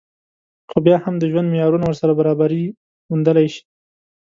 خو بيا هم د ژوند معيارونه ورسره برابري موندلی شي